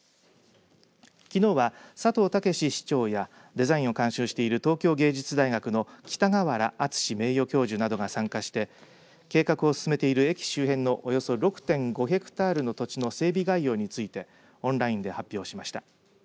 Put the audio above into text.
きのうは佐藤健市長やデザインを監修している東京芸術大学の北川原温名誉教授などが参加して計画を進めている駅周辺のおよそ６．５ヘクタールの土地の整備概要についてオンラインで発表しました。